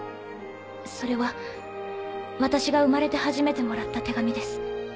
それは私が生まれて初めてもらった手紙です。